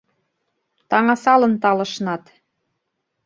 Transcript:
Таҥасалын талышнат